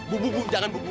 bu bu bu jangan bu